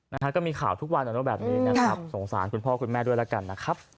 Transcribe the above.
นะฮะก็มีข่าวทุกวันอ่ะเนอะแบบนี้นะครับสงสารคุณพ่อคุณแม่ด้วยแล้วกันนะครับ